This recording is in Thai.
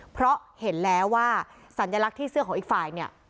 เพราะเห็นแล้วว่าสัญลักษณ์ที่เสื้อของอีกฝ่ายเนี่ย